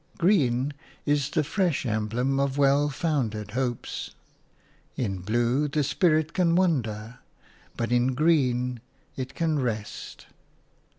Green is the fresh emblem of well founded hopes. In blue the spirit can wander, but in green it can rest.